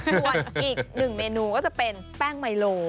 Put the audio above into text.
ส่วนอีกหนึ่งเมนูก็จะเป็นแป้งไมโล